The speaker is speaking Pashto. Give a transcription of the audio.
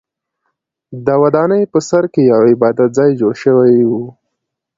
د ودانۍ په سر کې یو عبادت ځای جوړ شوی و.